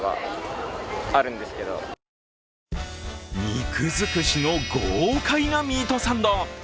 肉尽くしの豪快なミートサンド。